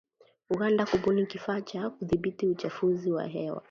Uganda kubuni kifaa cha kudhibiti uchafuzi wa hewa